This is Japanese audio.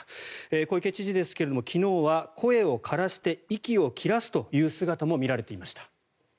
小池知事ですけど昨日は、声をからして息を切らすという姿も見られていました。